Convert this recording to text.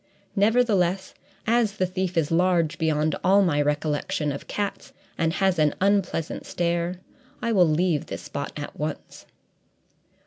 Nevertheless, as the thief is large beyond all my recollection of cats and has an unpleasant stare, I will leave this spot at once."